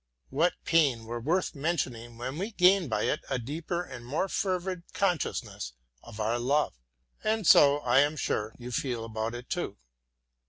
What pain were worth mentioning when we gain by it a deeper and more fervid consciousness of our love? And so, I am sure, you feel about it too.